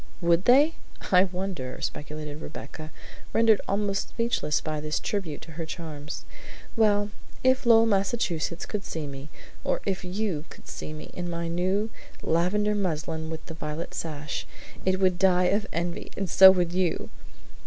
"Would they? I wonder," speculated Rebecca, rendered almost speechless by this tribute to her charms. "Well, if Lowell, Massachusetts, could see me, or if you could see me, in my new lavender muslin with the violet sash, it would die of envy, and so would you!"